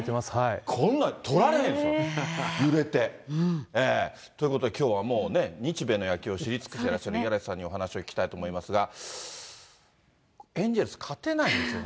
こんな、捕られへんですよ、揺れて。ということで、きょうはもうね、日米の野球を知り尽くしてらっしゃる五十嵐さんにお話を聞きたいと思いますが、エンゼルス、勝てないんですよね。